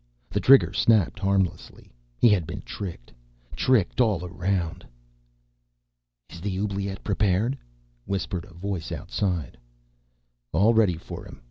The trigger snapped harmlessly. He had been tricked, tricked all around. "Is the oubliette prepared?" whispered a voice outside. "All ready for him.